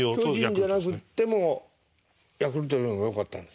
巨人じゃなくってもヤクルトでもよかったんですか。